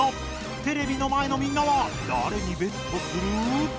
テレビの前のみんなはだれにベットする？